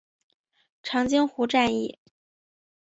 长津湖战役